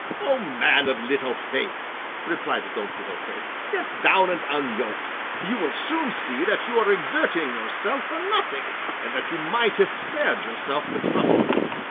"O man of little faith," replied Don Quixote, "get down and unyoke; you will soon see that you are exerting yourself for nothing, and that you might have spared yourself the trouble."